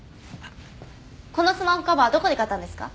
このスマホカバーどこで買ったんですか？